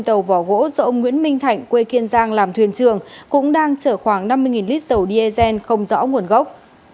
tàu vỏ gỗ do ông nguyễn minh thạnh quê kiên giang làm thuyền trưởng cũng đang chở khoảng năm mươi lít dầu diesel không rõ nguồn gốc